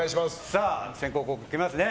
さあ、先攻・後攻決めますね。